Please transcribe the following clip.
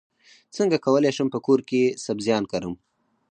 څنګه کولی شم په کور کې سبزیان کرم